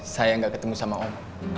saya gak ketemu sama allah